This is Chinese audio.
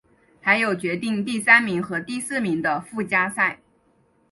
还有决定第三名和第四名的附加赛。